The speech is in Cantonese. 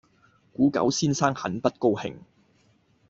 古久先生很不高興。